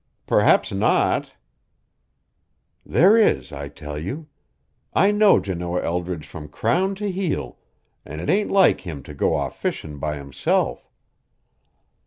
"Perhaps not." "There is, I tell you. I know Janoah Eldridge from crown to heel, an' it ain't like him to go off fishin' by himself."